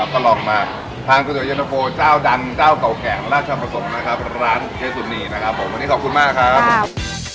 ขออนุญาตเธอด้วยวันนี้ขอบคุณมากครับ